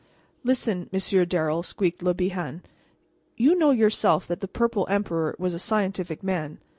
"Listen, Monsieur Darrel," squeaked Le Bihan; "you know yourself that the Purple Emperor was a scientific man.